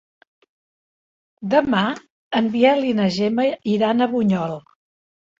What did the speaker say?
Demà en Biel i na Gemma iran a Bunyol.